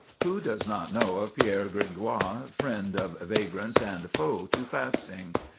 Who does not know of Pierre Gringoire, friend of vagrants and foe to fasting?